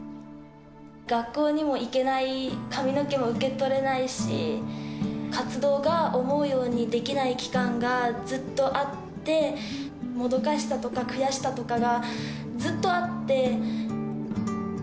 学校にも行けない、髪の毛も受け取れないし、活動が思うようにできない期間がずっとあって、もどかしさとか悔しさとかがずっとあって。